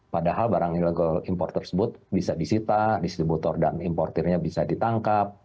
padahal barang ilegal impor tersebut bisa disita distributor dan importernya bisa ditangkap